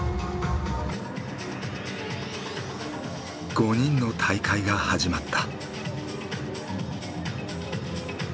５人の大会が始まった。